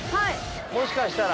もしかしたら。